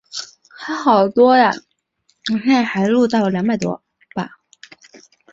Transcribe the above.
台北捷运三莺线路线说明